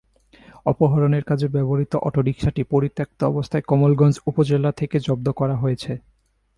অপহরণের কাজে ব্যবহৃত অটোরিকশাটি পরিত্যক্ত অবস্থায় কমলগঞ্জ উপজেলা থেকে জব্দ করা হয়েছে।